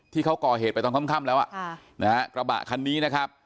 ที่เขาก่อเหตุไปตอนค่ำแล้วอ่ะค่ะนะฮะกระบะคันนี้นะครับ